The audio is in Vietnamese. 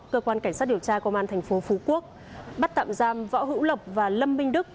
cơ quan cảnh sát điều tra công an tp phú quốc bắt tạm giam võ hữu lập và lâm minh đức